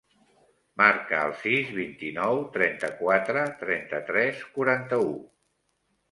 Marca el sis, vint-i-nou, trenta-quatre, trenta-tres, quaranta-u.